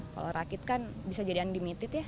kalau rakit kan bisa jadi unlimited ya